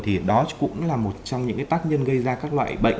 thì đó cũng là một trong những tác nhân gây ra các loại bệnh